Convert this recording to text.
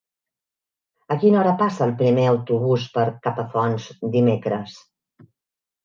A quina hora passa el primer autobús per Capafonts dimecres?